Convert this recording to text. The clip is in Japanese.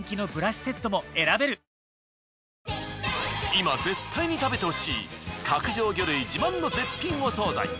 今絶対に食べてほしい角上魚類自慢の絶品お惣菜。